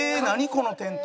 このテント。